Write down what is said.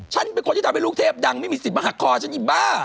ฉันเป็นคนที่ทำให้ลูกเทพดังไม่มีสิทธิ์มาหักคอฉันอีบ้า